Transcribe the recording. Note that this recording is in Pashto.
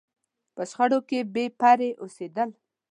په شخړو کې بې پرې اوسېدل.